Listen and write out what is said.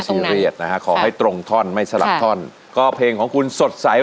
ซีเรียสนะฮะขอให้ตรงท่อนไม่สลับท่อนก็เพลงของคุณสดใส